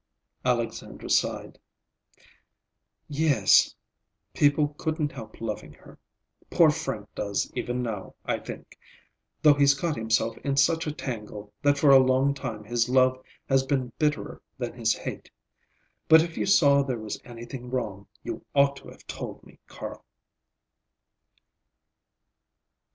Alexandra sighed. "Yes. People couldn't help loving her. Poor Frank does, even now, I think; though he's got himself in such a tangle that for a long time his love has been bitterer than his hate. But if you saw there was anything wrong, you ought to have told me, Carl."